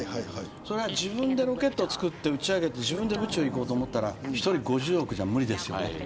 それは自分でロケット作って打ち上げて自分で宇宙行こうと思ったら１人５０億じゃ無理ですよね。